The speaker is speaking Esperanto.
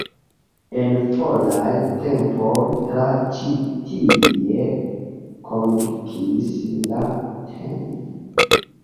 En foraj tempoj tra ĉi tie kondukis la tn.